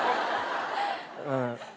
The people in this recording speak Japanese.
うん。